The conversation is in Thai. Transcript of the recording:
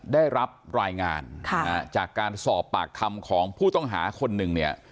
ได้รับรายงานจากการสอบปากคำของผู้ต้องหาคนหนึ่งเนี่ย